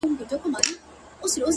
سترګي دي هغسي نسه وې، نسه یي ـ یې کړمه،